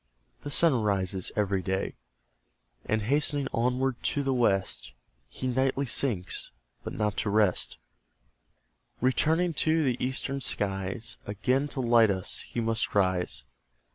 The sun arises every day, And hastening onward to the West, He nightly sinks, but not to rest: Returning to the eastern skies, Again to light us, he must rise.